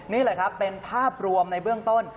นี่แหละครับเป็นภาพรวมในเบื้องต้น